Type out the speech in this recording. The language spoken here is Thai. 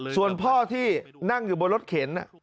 ส่วนพ่อที่นั่งอยู่บนรถเข็น